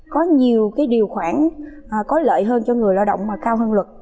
có nhiều điều khoản có lợi hơn cho người lao động mà cao hơn luật